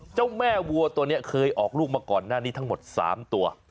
เจ้าแม่วัวตัวนี้เคยออกลูกมาก่อนหน้านี้ทั้งหมด๓ตัว